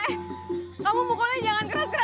eh kamu mukulnya jangan keras keras